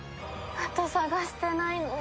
あと捜してないのは。